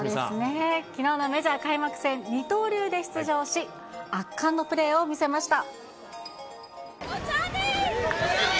きのうのメジャー開幕戦、二刀流で出場し、圧巻のプレーを見せました。